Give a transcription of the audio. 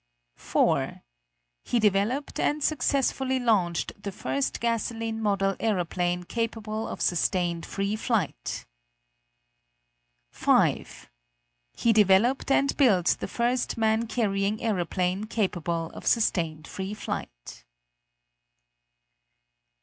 4. He developed and successfully launched the first gasoline model aeroplane capable of sustained free flight. 5. He developed and built the first man carrying aeroplane capable of sustained free flight.